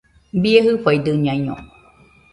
¡Bie jɨfaidɨñaino!